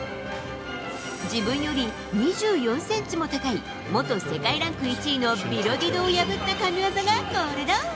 自分より２４ｃｍも高い元世界ランク１位のビロディドを破った神技がこれだ。